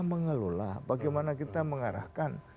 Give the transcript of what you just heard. mengelola bagaimana kita mengarahkan